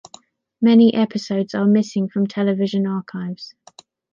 Many episodes are missing from television archives.